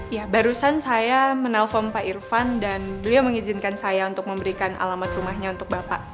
ya barusan saya menelpon pak irfan dan beliau mengizinkan saya untuk memberikan alamat rumahnya untuk bapak